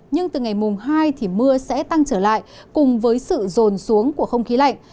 nhưng từ ngày mùng hai thì mưa sẽ tăng trở lại cùng với sự rồn xuống của không khí lạnh